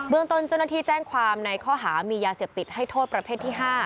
ตนเจ้าหน้าที่แจ้งความในข้อหามียาเสพติดให้โทษประเภทที่๕